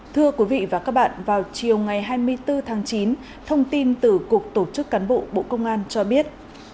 thưa quý vị và các bạn vào chiều ngày hai mươi bốn tháng chín thông tin từ cục tổ chức cán bộ bộ công an cho biết